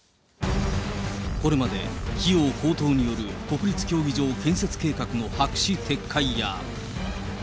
これまで費用高騰による国立競技場建設計画の白紙撤回や。